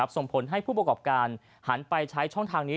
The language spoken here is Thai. ส่งผลให้ผู้ประกอบการหันไปใช้ช่องทางนี้